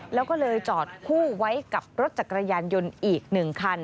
แล้วก็เลยจอดคู่ไว้กับรถจักรยานยนต์อีก๑คัน